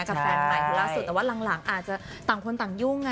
แฟนใหม่คนล่าสุดแต่ว่าหลังอาจจะต่างคนต่างยุ่ง